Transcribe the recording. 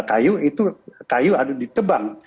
kayu itu ada di tebang